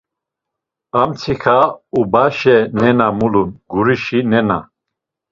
Amtsiǩa ubaşe nena mulun, gurişi nena.